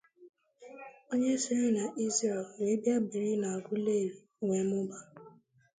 onye siri na Israel were bịa biri na Aguleri were mụbaa.